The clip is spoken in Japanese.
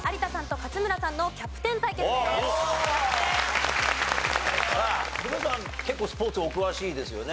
勝村さん結構スポーツお詳しいですよね。